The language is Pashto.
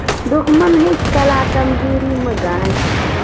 دښمن هیڅکله کمزوری مه ګڼئ.